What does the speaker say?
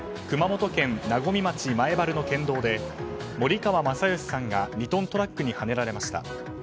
熊本県和水町前原の県道で森川正義さんが２トントラックにはねられました。